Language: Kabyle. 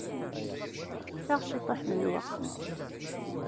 Fket-aɣ ciṭuḥ n lweqt.